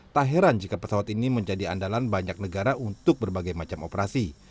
tak heran jika pesawat ini menjadi andalan banyak negara untuk berbagai macam operasi